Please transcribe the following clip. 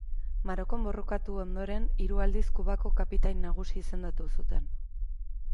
Marokon borrokatu ondoren, hiru aldiz Kubako kapitain nagusi izendatu zuten.